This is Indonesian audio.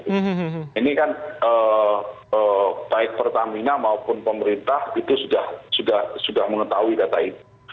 ini kan baik pertamina maupun pemerintah itu sudah mengetahui data itu